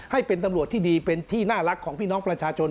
ให้เป็นตำรวจที่ดีเป็นที่น่ารักของพี่น้องประชาชน